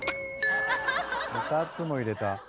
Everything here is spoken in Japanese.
２つも入れた。